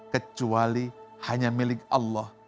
kecuali hanya milik allah